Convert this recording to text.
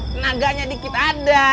tenaganya dikit ada